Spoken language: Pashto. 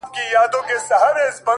سره رڼا د سُرکو سونډو په کوټه کي”